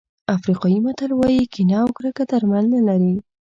افریقایي متل وایي کینه او کرکه درمل نه لري.